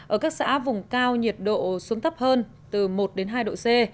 ở các xã vùng cao nhiệt độ xuống thấp hơn từ một đến hai độ c